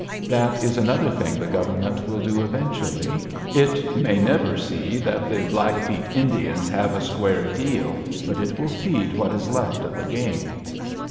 That is another thing the Government will do eventually. It may never see that the Blackfeet Indians have a square deal, but it will feed what is left of the game.